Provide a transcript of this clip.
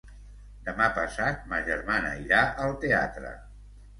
Demà passat ma germana irà al teatre.